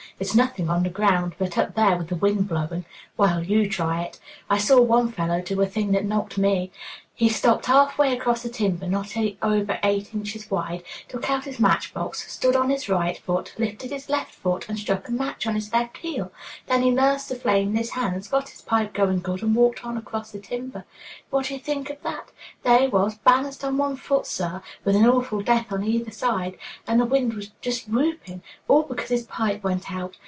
It's nothing on the ground, but up there with the wind blowing well, you try it. I saw one fellow do a thing that knocked me. He stopped half way across a timber not over eight inches wide, took out his match box, stood on his right foot, lifted his left foot, and struck a match on his left heel. Then he nursed the flame in his hands, got his pipe going good, and walked on across the timber. Wha'd' ye think of that? There he was, balanced on one foot, sir, with an awful death on either side, and the wind just whooping all because his pipe went out.